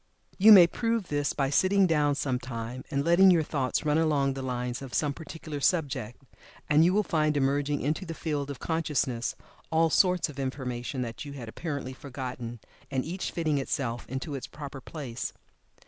You may prove this by sitting down some time and letting your thoughts run along the line of some particular subject, and you will find emerging into the field of consciousness all sorts of information that you had apparently forgotten, and each fitting itself into its proper place.